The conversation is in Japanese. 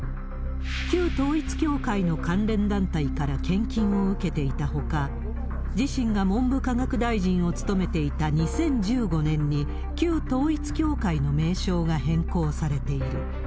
旧統一教会の関連団体から献金を受けていたほか、自身が文部科学大臣を務めていた２０１５年に、旧統一教会の名称が変更されている。